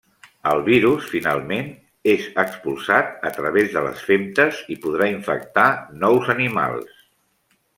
El virus, finalment, és expulsat a través de les femtes i podrà infectar nous animals.